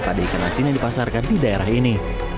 pada ikan asin yang dipasarkan di daerah ini